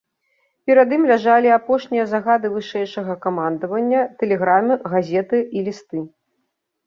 Перад ім ляжалі апошнія загады вышэйшага камандавання, тэлеграмы, газеты і лісты.